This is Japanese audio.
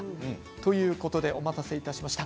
ということでお待たせいたしました。